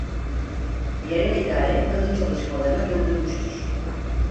Yerel idare kazı çalışmalarını durdurmuştur.